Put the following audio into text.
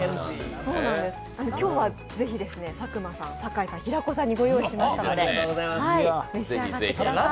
今日はぜひ佐久間さん、酒井さん、平子さんにご用意しましたので、召し上がってください。